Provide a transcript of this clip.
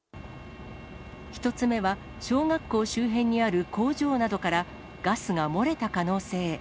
１つ目は小学校周辺にある工場などから、ガスが漏れた可能性。